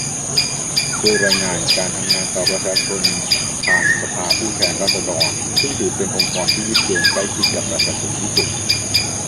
โดยรายงานการทำงานต่อประชาชนผ่านสภาผู้แทนราษฎร ซึ่งถือเป็นองค์กรที่ยึดโยงใกล้ชิดกับประชาชนที่สุด